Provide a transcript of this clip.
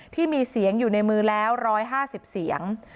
ที่มีเสียงอยู่ในมือแล้วร้อยห้าสิบเสียง